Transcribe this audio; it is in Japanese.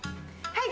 はい。